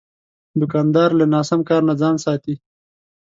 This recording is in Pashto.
دوکاندار له ناسم کار نه ځان ساتي.